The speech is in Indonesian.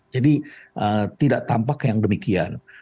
jadi tidak tampak yang demikian